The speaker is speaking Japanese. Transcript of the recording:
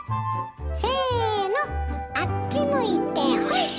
せのあっち向いてホイ！